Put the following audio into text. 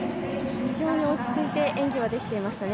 非常に落ち着いて演技はできていましたね。